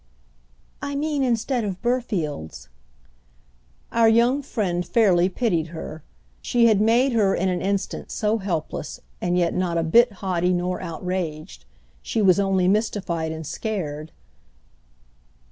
"I mean instead of Burfield's." Our young friend fairly pitied her; she had made her in an instant so helpless, and yet not a bit haughty nor outraged. She was only mystified and scared.